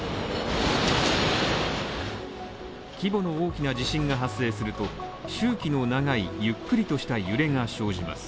規模の大きな地震が発生すると、周期の長いゆっくりとした揺れが生じます